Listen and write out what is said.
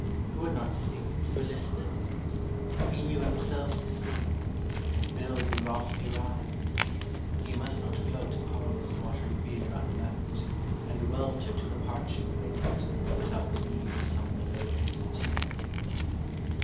Who would not sing for Lycidas? He knew Himself to sing, and build the lofty rhyme. He must not float upon his watery bier Unwept, and welter to the parching wind, Without the meed of some melodious tear.